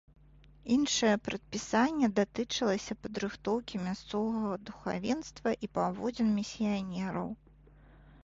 Іншае прадпісанне датычылася падрыхтоўкі мясцовага духавенства і паводзін місіянераў.